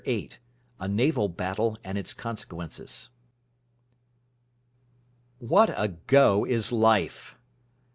VIII A NAVAL BATTLE AND ITS CONSEQUENCES What a go is life!